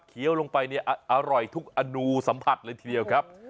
ลงไปเนี่ยอร่อยทุกอนูสัมผัสเลยทีเดียวครับ